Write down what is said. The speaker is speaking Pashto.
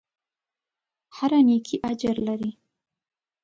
هره نېکۍ اجر لري.